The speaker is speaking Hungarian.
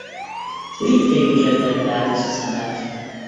Littke József vette át az üzemet.